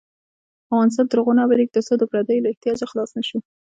افغانستان تر هغو نه ابادیږي، ترڅو د پردیو له احتیاجه خلاص نشو.